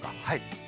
はい。